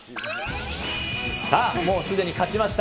さあ、もうすでに勝ちました、